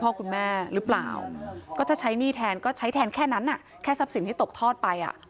พ่อคุณแม่รึเปล่าก็ใช้หนี้แทนแค่นั้นแค่แซมสิ่งที่ตกทอดไป